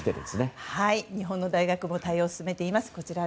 日本の大学も対応を進めています。